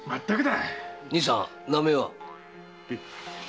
兄さん名前は？